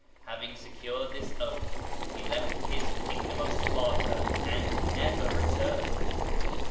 Having secured this oath, he left his Kingdom of Sparta and never returned.